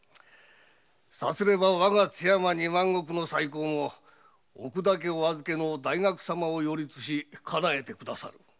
さすればわが津山二万石の再興も奥田家お預けの大学様を擁立しかなえてくださる。